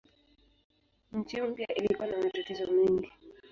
Nchi mpya ilikuwa na matatizo mengi.